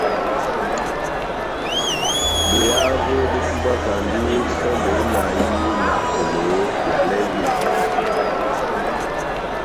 Behavo betubwakandi sɔndɛ hú inahi na kolo ya lɛvini.